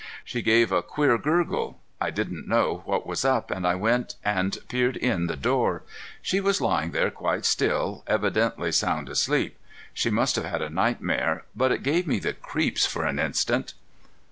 "She gave a queer gurgle. I didn't know what was up, and I went and peered in the door. She was lying there quite still, evidently sound asleep. She must have had a nightmare, but it gave me the creeps for an instant."